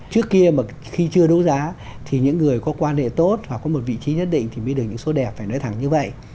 trước kia mà khi chưa đấu giá thì những người có quan hệ tốt hoặc có một vị trí nhất định thì mới được những số đẹp phải nói thẳng như vậy